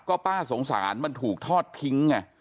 ก็ป้าสงสารมันถูกทอดทิ้งไง